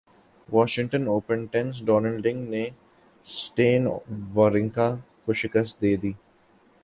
Washington Open tennis Donald Young نے Stan Wawrinka کو شکست دیدی